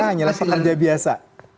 mereka hanyalah pekerja biasa